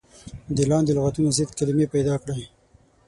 د لاندې لغتونو ضد کلمې پيداکړئ.